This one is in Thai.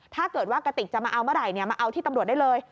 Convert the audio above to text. ถ้าเกิดว่ากระติกจะมาเอาเมื่อไหร่มาเอาที่ตำรวจได้เลย